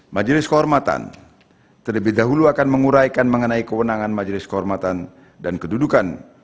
majelis kehormatan terlebih dahulu akan menguraikan mengenai kewenangan majelis kehormatan dan kedudukan